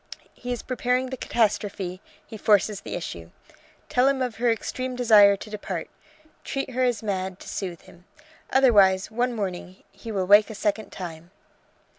He is preparing the catastrophe, he forces the issue. Tell him of her extreme desire to depart. Treat her as mad, to soothe him. Otherwise one morning he will wake a second time